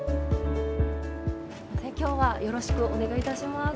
今日はよろしくお願いいたします。